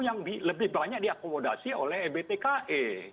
yang lebih banyak diakomodasi oleh ebtke